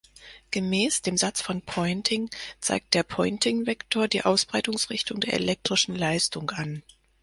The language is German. Gemäß dem Satz von Poynting zeigt der Poyntingvektor die Ausbreitungsrichtung der elektrischen Leistung an.